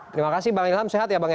terima kasih bang ilham sehat ya bang ya